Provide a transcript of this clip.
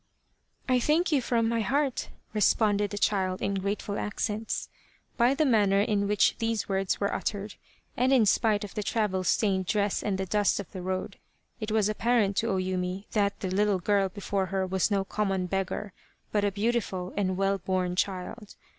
" I thank you from my heart !" responded the child in grateful accents. By the manner in which these words were uttered, and in spite of the travel stained dress and the dust of the road, it was apparent to O Yumi that the little girl before her was no common beggar, but a beautiful and well born child.